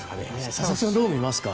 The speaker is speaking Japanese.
佐々木さんはどう見ますか？